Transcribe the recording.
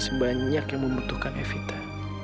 karena masih banyak yang membutuhkan evita